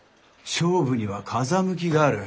勝負には風向きがある。